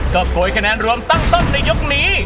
ก็โกยคะแนนรวมตั้งต้นในยกนี้